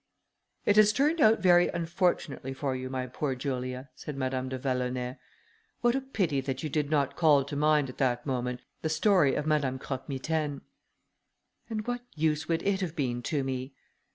"It has turned out very unfortunately for you, my poor Julia," said Madame de Vallonay; "what a pity that you did not call to mind at that moment the story of Madame Croque Mitaine." "And what use would it have been to me?"